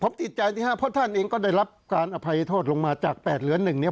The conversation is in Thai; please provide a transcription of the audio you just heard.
ผมติดใจสิครับเพราะท่านเองก็ได้รับการอภัยโทษลงมาจาก๘เหลือ๑เนี่ย